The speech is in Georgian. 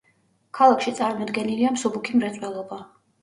ქალაქში წარმოდგენილია მსუბუქი მრეწველობა.